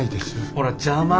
ほら邪魔。